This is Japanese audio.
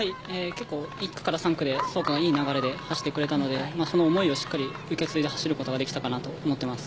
１区から３区で創価がいい流れで走ってくれたのでその思いをしっかり受け継いで走ることができたと思います。